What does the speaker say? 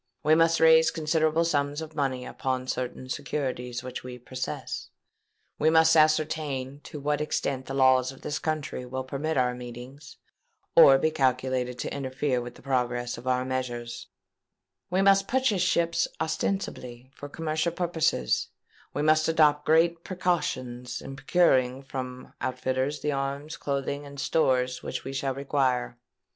We must raise considerable sums of money upon certain securities which we possess; we must ascertain to what extent the laws of this country will permit our meetings, or be calculated to interfere with the progress of our measures; we must purchase ships ostensibly for commercial purposes; and we must adopt great precautions in procuring from outfitters the arms, clothing, and stores which we shall require.